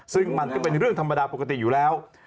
ซึ่งมันก็เป็นเรื่องธรรมดาปกติอยู่แล้ว